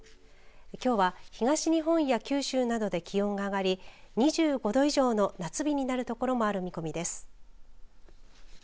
きょうは東日本や九州などで気温が上がり２５度以上の夏日になる所もある見込みです。